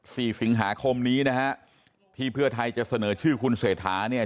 สี่สิงหาคมนี้นะฮะที่เพื่อไทยจะเสนอชื่อคุณเศรษฐาเนี่ย